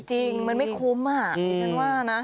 จริงมันไม่คุ้มอ่ะดิฉันว่านะ